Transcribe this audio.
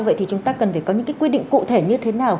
vậy thì chúng ta cần phải có những cái quy định cụ thể như thế nào